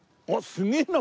すげえな！